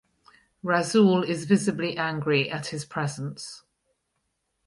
Rasool is visibly angry at his presence.